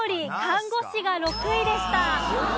看護師が６位でした。